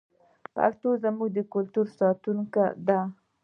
پښتو زموږ د کلتور ساتونکې ده.